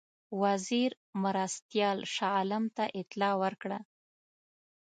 وزیر مرستیال شاه عالم ته اطلاع ورکړه.